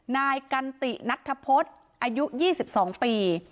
นายกันตินัทธพฤษอายุ๒๒ปี